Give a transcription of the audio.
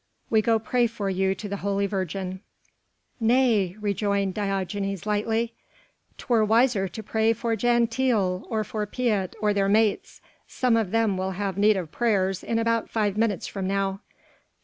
we go pray for you to the Holy Virgin...." "Nay!" rejoined Diogenes lightly, "'twere wiser to pray for Jan Tiele, or for Piet or their mates some of them will have need of prayers in about five minutes from now."